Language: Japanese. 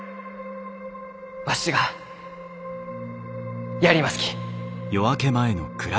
わしはやりますき。